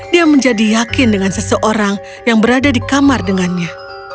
dia menjadi yakin dengan seseorang yang berada di kamar dengannya